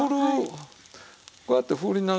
こうやって振る。